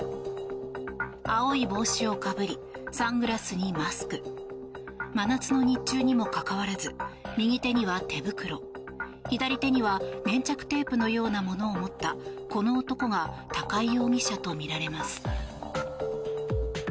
青い帽子をかぶりサングラスにマスク真夏の日中にもかかわらず右手には手袋左手には粘着テープのようなものを持ったこの男が高井容疑者とみられます。